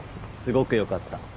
すごく良かった。